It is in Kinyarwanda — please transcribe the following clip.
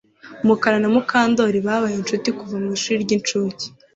Mukara na Mukandoli babaye inshuti kuva mu ishuri ryincuke